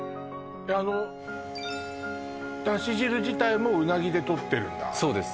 あのダシ汁自体もうなぎで取ってるんだそうです